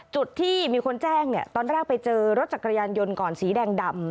จุดที่มีคนแจ้งเนี่ยตอนแรกไปเจอรถจักรยานยนต์ก่อนสีแดงดำ